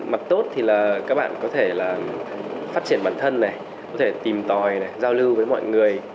mặt tốt thì là các bạn có thể là phát triển bản thân này có thể tìm tòi này giao lưu với mọi người